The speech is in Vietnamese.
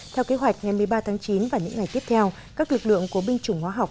theo kế hoạch ngày một mươi ba tháng chín và những ngày tiếp theo các lực lượng của binh chủng hóa học